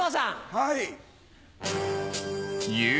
はい。